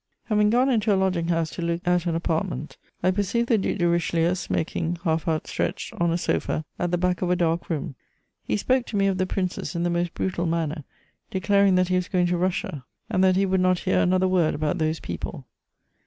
Having gone into a lodging house to look at an apartment, I perceived the Duc de Richelieu smoking, half outstretched on a sofa, at the back of a dark room. He spoke to me of the Princes in the most brutal manner, declaring that he was going to Russia and that he would not hear another word about those people.